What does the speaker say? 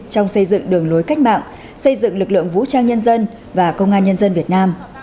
trong xây dựng đường lối cách mạng xây dựng lực lượng vũ trang nhân dân và công an nhân dân việt nam